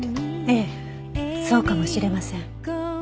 ええそうかもしれません。